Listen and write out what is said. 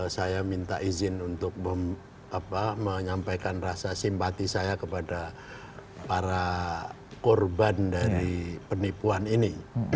saya minta izin untuk menyampaikan rasa simpati saya kepada para korban dari penipuan ini